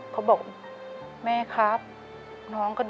ขอเอ็กซาเรย์แล้วก็เจาะไข่ที่สันหลังค่ะ